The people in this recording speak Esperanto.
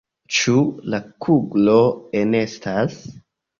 Ĉu la kuglo enestas?